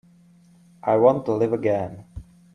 I want to live again.